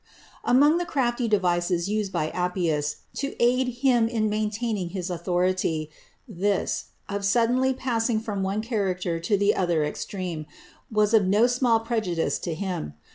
_ Among the crafty devices used by Appius to aid him in maintaining his authority, this, of suddenly passing from one character to the other extreme, was of no small prejudice to him.